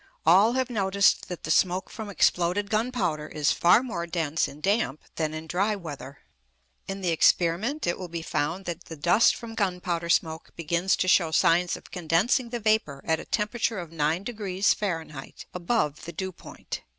All have noticed that the smoke from exploded gunpowder is far more dense in damp than in dry weather. In the experiment it will be found that the dust from gunpowder smoke begins to show signs of condensing the vapour at a temperature of 9° Fahr. above the dew point.